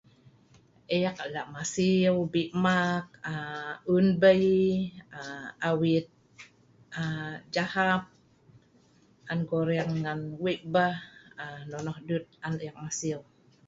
Ek lak masiu bie maak, un bei, awit jahap an goreng ngan wei beh, nonoh dut an ek masiu